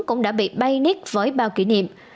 cũng đã bị bay nít với bao kỷ niệm